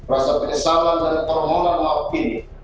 rasa penyesalan dari permohonan maaf ini